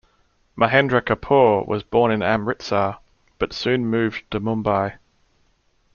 Mahendra Kapoor was born in Amritsar, but soon moved to Mumbai.